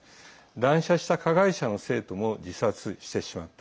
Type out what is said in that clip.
乱射した加害者の生徒も自殺してしまった。